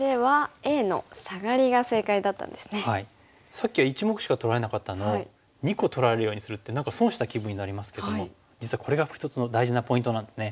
さっきは１目しか取られなかったのを２個取られるようにするって何か損した気分になりますけども実はこれが一つの大事なポイントなんですね。